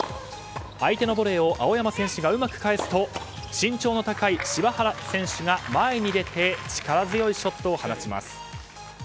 相手のボレーを青山選手がうまく返すと身長の高い柴原選手が前に出て力強いショットを放ちます。